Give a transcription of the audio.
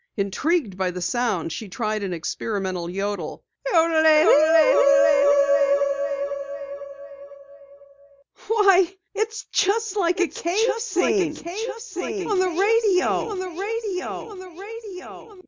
Intrigued by the sound she tried an experimental yodel. "Why, it's just like a cave scene on the radio!"